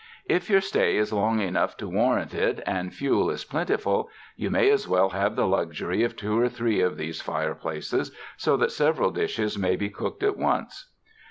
If your stay is long enough to warrant it, and fuel is plentiful, you might as well have the luxury of two or three of these fire places, so that several dishes may be cooked at once.